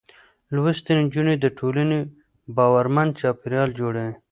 لوستې نجونې د ټولنې باورمن چاپېريال جوړوي.